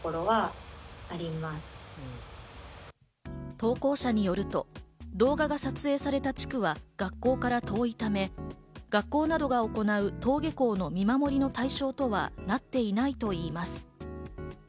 投稿者によると、動画が撮影された地区は学校から遠いため、学校などが行う登下校の見守りの対象とはなっていないと言います。